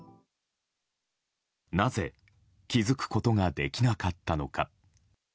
なぜ気づくことができなかったのか。